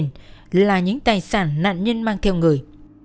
như truyền là những tài sản nạn nhân mang theo người